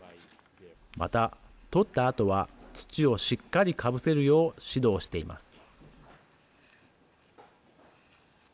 また、採ったあとは土をしっかりかぶせるよう指導しています。